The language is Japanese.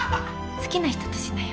好きな人としなよ